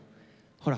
ほら。